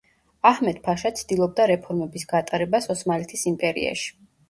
აჰმედ-ფაშა ცდილობდა რეფორმების გატარებას ოსმალეთის იმპერიაში.